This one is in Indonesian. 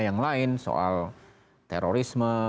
yang lain soal terorisme